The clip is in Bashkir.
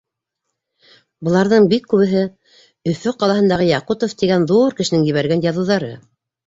Быларҙың бик күбеһе Өфө ҡалаһындағы Якутов тигән ҙур кешенең ебәргән яҙыуҙары.